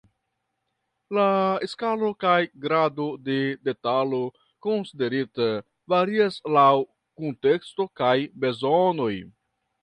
La skalo kaj grado de detalo konsiderita varias laŭ kunteksto kaj bezonoj.